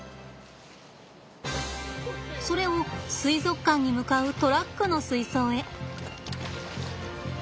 それを水族館に向かうトラックの水槽へ。